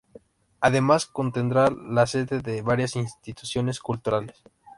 Además, contendrá la sede de varias instituciones culturales.